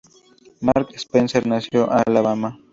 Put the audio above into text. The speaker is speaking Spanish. Mark Spencer nació en Alabama.